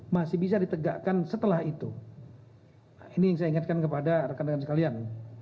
dan bisa bikin kekuasaan